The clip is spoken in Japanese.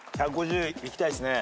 １５０いきたいっすね。